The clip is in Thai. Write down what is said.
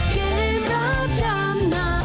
เกมรับทางน้ำ